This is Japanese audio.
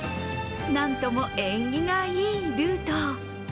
なんとも縁起がいいルート。